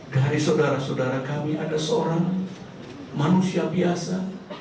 dari saudara saudara kami ada seorang manusia biasa